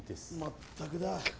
まったくだ